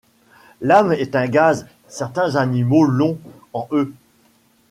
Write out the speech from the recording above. L’âme est un gaz ; certains animaux l’ont, en eux.